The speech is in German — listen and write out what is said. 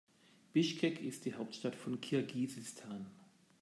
Bischkek ist die Hauptstadt von Kirgisistan.